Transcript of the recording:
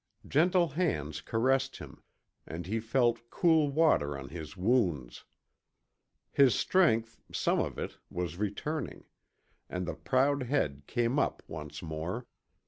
Gentle hands caressed him, and he felt cool water on his wounds. His strength, some of it, was returning, and the proud head came up once more.